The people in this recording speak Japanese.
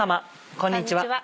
こんにちは。